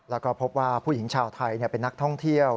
แล้วก็พบว่าผู้หญิงชาวไทยเป็นนักท่องเที่ยว